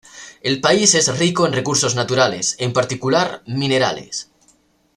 El país es rico en recursos naturales, en particular minerales.